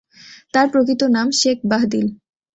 তাঁর প্রকৃত নাম শেখ বাহদিল।